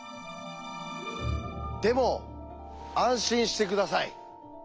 でも安心して下さい。